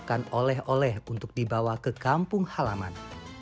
uang yang diberikan oleh oleh untuk dibawa ke kampung halaman